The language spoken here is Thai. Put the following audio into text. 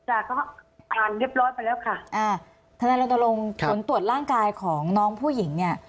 อ่านเรียบร้อยไปแล้วค่ะทนรนตรงผลตรวจร่างกายของน้องผู้หญิงเนี่ย